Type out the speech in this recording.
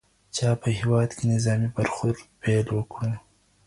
چا په هېواد کي د نظامي برخورد پیل وکړ؟